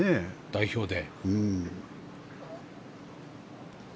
代表で。